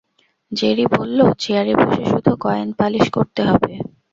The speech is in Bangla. জেরি বলল চেয়ারে বসে শুধু কয়েন পালিশ করতে হবে।